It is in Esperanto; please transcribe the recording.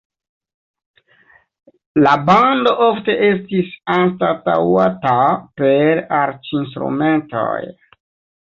La bando ofte estis anstataŭata per arĉinstrumentoj.